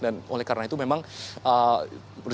dan oleh karena itu memang berhati hati